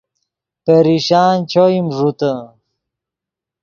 پریشان چوئیم ݱوتے